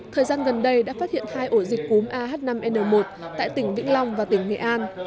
thời gian gần đây đã phát hiện hai ổ dịch cúm ah năm n một tại tỉnh vĩnh long và tỉnh nghệ an